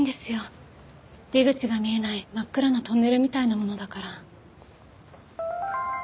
出口が見えない真っ暗なトンネルみたいなものだから。